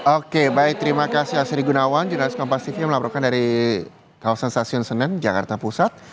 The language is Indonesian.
oke baik terima kasih asri gunawan jurnalis kompas tv yang melaporkan dari kawasan stasiun senen jakarta pusat